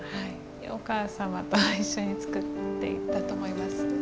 お母様と一緒に作っていたと思います。